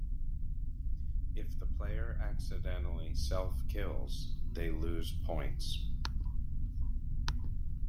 If the player accidentally self-kills, they lose points.